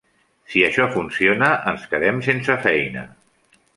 Si això funciona, ens quedem sense feina.